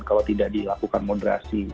kalau tidak dilakukan moderasi